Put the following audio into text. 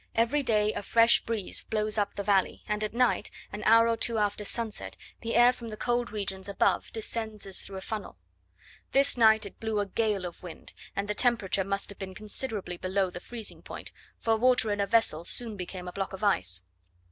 Every day a fresh breeze blows up the valley, and at night, an hour or two after sunset, the air from the cold regions above descends as through a funnel. This night it blew a gale of wind, and the temperature must have been considerably below the freezing point, for water in a vessel soon became a block of ice.